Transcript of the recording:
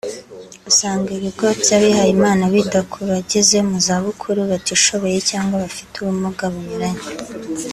usanga ibigo by’abihaye Imana bita ku bageze mu zabukuru batishoboye cyangwa abafite ubumuga bunyuranye